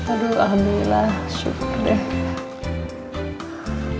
aduh alhamdulillah syukur deh